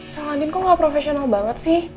saladin kok gak profesional banget sih